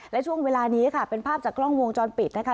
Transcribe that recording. และช่วงเวลานี้ค่ะเป็นภาพจากกล้องวงจรปิดนะคะ